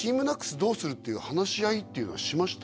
どうするっていう話し合いっていうのはしました？